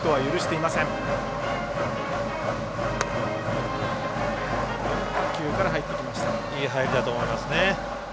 いい入りだと思いますね。